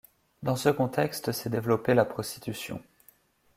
Dans ce contexte s'est développée la prostitution.